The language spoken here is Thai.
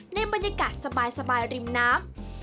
ในบรรยากาศสบายริมน้ำ